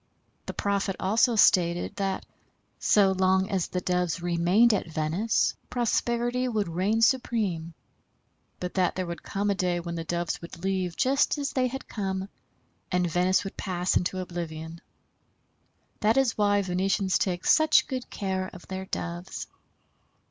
The prophet also stated that, so long as the Doves remained at Venice prosperity would reign supreme, but that there would come a day when the Doves would leave just as they had come, and Venice would pass into oblivion. That is why Venetians take such good care of their Doves.